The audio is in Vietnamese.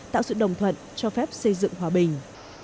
tạo sự đồng thuận cho phép xây dựng hòa bình